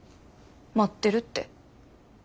待ってるって。